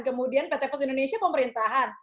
kemudian pt pos indonesia pemerintahan